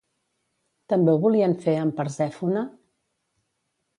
També ho volien fer amb Persèfone?